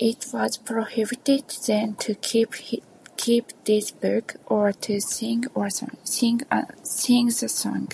It was prohibited then to keep this book or to sing the song.